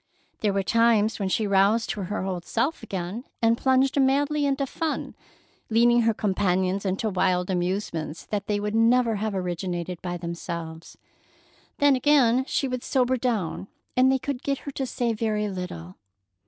There were times when she roused to her old self again, and plunged madly into fun, leading her companions into wild amusements that they would never have originated by themselves. Then again she would sober down, and they could get her to say very little.